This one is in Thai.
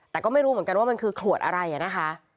แต่ก็ไม่รู้เหมือนกันว่ามันคือขวดอะไรนะคะ